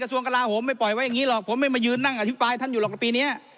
ส่วนกระลาโหมไม่ปล่อยไว้อย่างนี้หรอกผมไม่มายืนนั่งอภิปรายท่านอยู่หรอกกับปีนี้